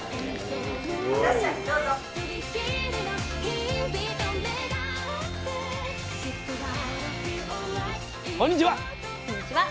こんにちは。